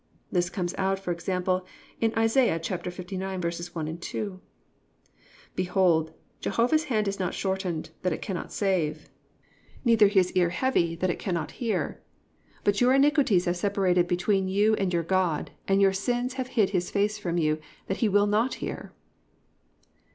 This comes out, for example, in Isa. 59:1, 2: +"Behold, Jehovah's hand is not shortened, that it cannot save; neither his ear heavy, that it cannot hear: (2) But your iniquities have separated between you and your God, and your sins have hid his face from you, that he will not hear."